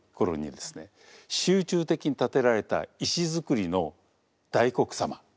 集中的にたてられた石造りの大黒様。